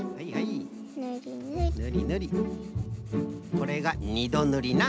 これが２どぬりな。